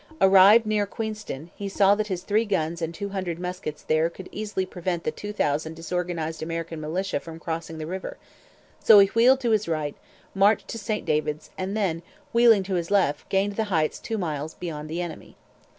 Arrived near Queenston, he saw that his three guns and two hundred muskets there could easily prevent the two thousand disorganized American militia from crossing the river; so he wheeled to his right, marched to St David's, and then, wheeling to his left, gained the Heights two miles beyond the enemy.